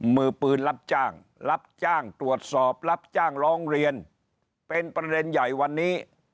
มือปืนรับจ้างรับจ้างตรวจสอบรับจ้างร้องเรียนเป็นประเด็นใหญ่วันนี้